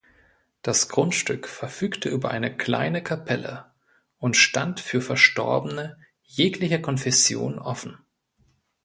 Das Grundstück verfügte über eine kleine Kapelle und stand für Verstorbene jeglicher Konfession offen.